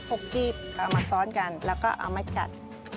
กีบเอามาซ้อนกันแล้วก็เอามากัด